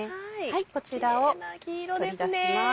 こちらを取り出します。